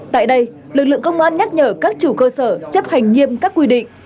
tại đây lực lượng công an nhắc nhở các chủ cơ sở chấp hành nghiêm các quy định